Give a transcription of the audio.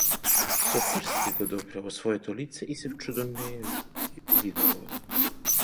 Со прстите го допрело своето лице и се вчудовидело.